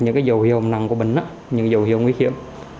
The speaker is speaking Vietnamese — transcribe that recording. những dấu hiệu nằm của bệnh những dấu hiệu nguy hiểm